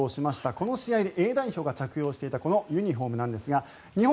この試合でＡ代表が着用していたこのユニホームなんですが日本